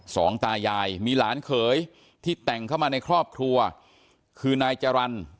สองตายายมีหลานเขยที่แต่งเข้ามาในครอบครัวคือนายจรรย์